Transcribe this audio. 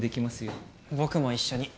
僕も一緒に。